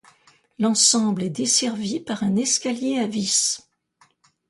L'ensemble est desservi par un escalier à vis.